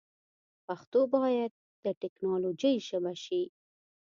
پښتو باید د ټیکنالوجۍ ژبه شي.